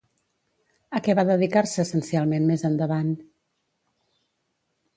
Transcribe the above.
A què va dedicar-se essencialment més endavant?